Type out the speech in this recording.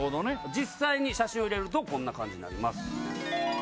実際に写真を入れるとこんな感じになります。